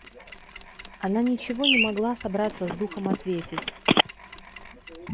Она ничего не могла собраться с духом ответить.